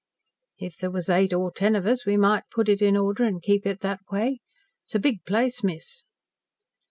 "If there was eight or ten of us we might put it in order and keep it that way. It's a big place, miss."